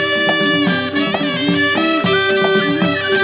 โปรดติดตามต่อไป